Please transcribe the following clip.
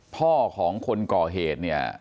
พ่อของคนก่อเหด